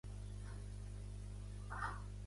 En hivern ocupa la meitat occidental dels Estats Units.